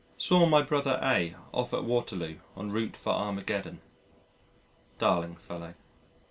Saw my brother A off at Waterloo en route for Armageddon. Darling fellow.